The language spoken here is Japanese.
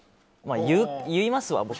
言いますわ、僕。